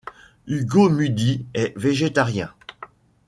Hugo Mudie est végétarien.